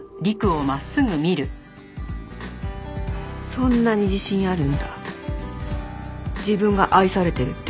そんなに自信あるんだ自分が愛されてるっていう。